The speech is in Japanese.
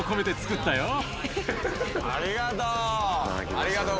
ありがとう！